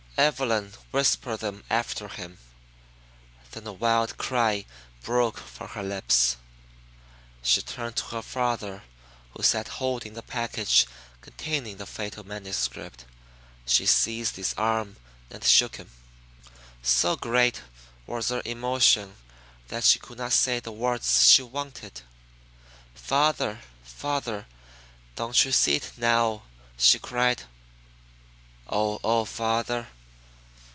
Evelyn whispered them after him. Then a wild cry broke from her lips. She turned to her father who sat holding the package containing the fatal manuscript. She seized his arm and shook him. So great was her emotion that she could not say the words she wanted. "Father, father, don't you see it now!" she cried. "Oh, oh, father!